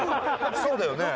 そうだよね。